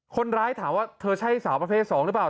คนร้ายถามว่าเธอใช่สาวประเภท๒หรือเปล่า